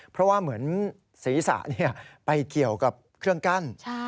เพราะว่าเหมือนศีรษะไปเกี่ยวกับเครื่องกั้น